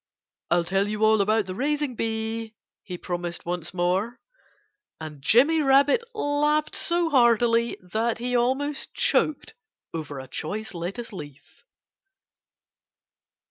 "I'll tell you all about the raising bee," he promised once more. And Jimmy Rabbit laughed so heartily that he almost choked over a choice lettuce leaf.